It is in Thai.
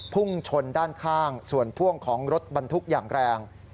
พุ่งชนด้านข้างส่วนพ่วงของรถบรรทุกอย่างแรง